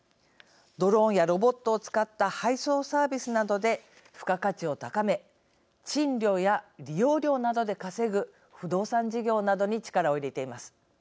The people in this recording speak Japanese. ドローンやロボットを使った配送サービスなどで付加価値を高め賃料や利用料などで稼ぐ不動産事業などに力を入れています。